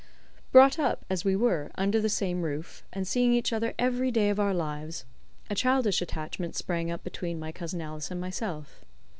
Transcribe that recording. Brought up, as we were, under the same roof, and seeing each other every day of our lives, a childish attachment sprang up between my cousin Alice and myself.